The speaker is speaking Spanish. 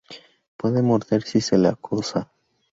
Puede morder si se le acosa.